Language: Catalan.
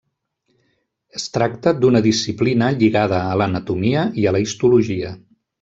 Es tracta d'una disciplina lligada a l'anatomia i a la histologia.